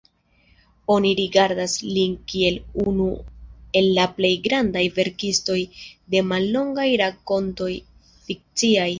Oni rigardas lin kiel unu el la plej grandaj verkistoj de mallongaj rakontoj fikciaj.